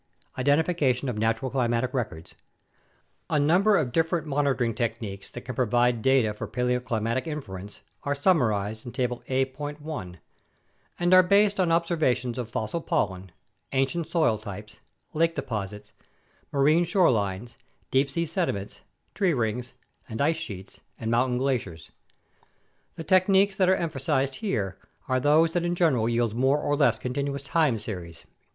Identification of Natural Climatic Records A number of different monitoring techniques that can provide data for paleoclimatic inference are summarized in Table A.l and are based on observations of fossil pollen, ancient soil types, lake deposits, marine shore lines, deep sea sediments, tree rings, and ice sheets and mountain glaciers. The tech niques that are emphasized here are those that in general yield more or less continuous time series.